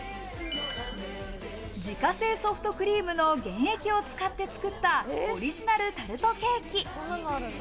自家製ソフトクリームの原液を使って作ったオリジナルタルトケーキ。